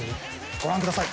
ご覧ください。